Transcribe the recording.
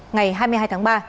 ngày hai mươi hai tháng ba